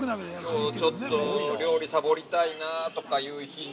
◆ちょっと料理サボりたいなとかという日に。